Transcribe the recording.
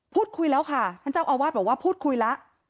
พูดคุยแล้วค่ะท่านเจ้าอาวาสบอกว่าพูดคุยแล้ว